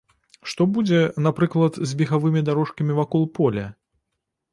Што будзе, напрыклад, з бегавымі дарожкамі вакол поля?